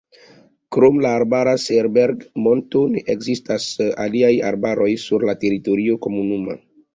Krom la arbara Seeberg-monto ne ekzistas aliaj arbaroj sur la teritorio komunuma.